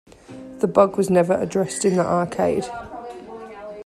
This bug was never addressed in the arcade.